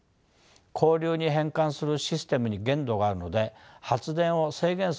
交流に変換するシステムに限度があるので発電を制限するケースもあります。